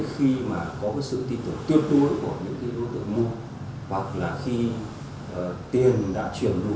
đến khi mà có cái sự tin tưởng tuyệt đối của những cái đối tượng mua hoặc là khi tiền đã truyền đủ